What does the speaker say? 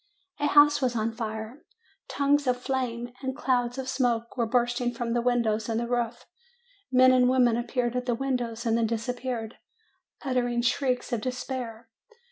A house was on fire. Tongues of flame and clouds of smoke were bursting from the windows and the roof; men and women appeared at the windows and then disappeared, uttering shrieks of despair.